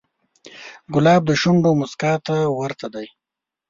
ګلاب د شونډو موسکا ته ورته دی.